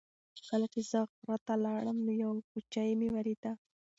کله چې زه غره ته لاړم نو یوه کوچۍ مې ولیده.